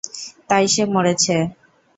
তাই সে মরেছে।